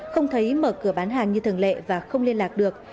không thấy mở cửa bán hàng như thường lệ và không liên lạc được